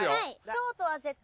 ショートは絶対。